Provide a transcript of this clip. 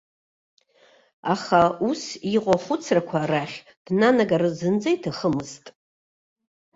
Аха ус иҟоу ахәыцрақәа рахь днанагар зынӡа иҭахымызт.